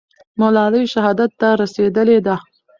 ملالۍ شهادت ته رسېدلې ده.